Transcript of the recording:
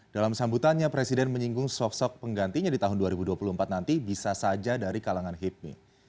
dalam sambutannya presiden menyinggung sosok penggantinya di tahun dua ribu dua puluh empat nanti bisa saja dari kalangan hipmi